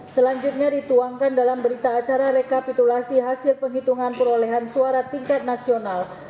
selanjutnya dituangkan dalam berita acara rekapitulasi hasil penghitungan perolehan suara tingkat nasional